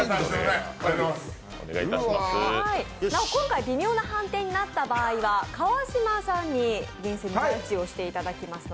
なお今回、微妙な判定になった場合は川島さんに、厳正にジャッジをしていただきますので。